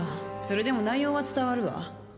それでも内容は伝わるわ。